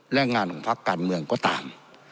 และงานของพักการเมืองก็ตาม